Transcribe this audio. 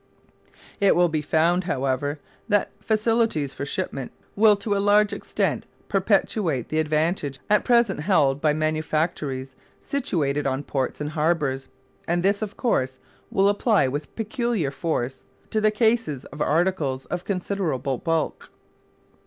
It will be found, however, that facilities for shipment will to a large extent perpetuate the advantage at present held by manufactories situated on ports and harbours; and this, of course, will apply with peculiar force to the cases of articles of considerable bulk.